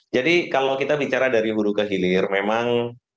jadi kalau kita bicara dari hulu ke hilir memang